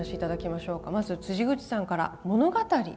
まず口さんから「物語」。